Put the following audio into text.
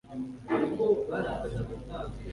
Imyitozo no gukoresha umwuka numucyo